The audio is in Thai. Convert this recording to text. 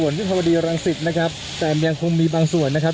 ส่วนวิทยาวดีรังศิษย์นะครับแต่มันยังคงมีบางส่วนนะครับ